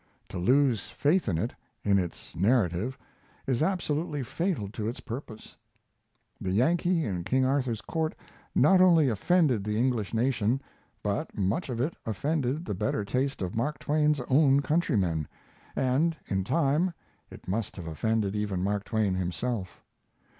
To lose faith in it in its narrative is absolutely fatal to its purpose. The Yankee in King Arthur's Court not only offended the English nation, but much of it offended the better taste of Mark Twain's own countrymen, and in time it must have offended even Mark Twain himself.